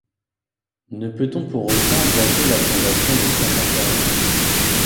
Ne peut-on pour autant dater la fondation de Saint-Symphorien ?